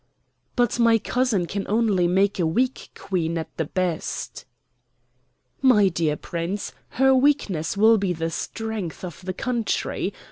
"But my cousin can only make a weak Queen at the best." "My dear Prince, her weakness will be the strength of the country.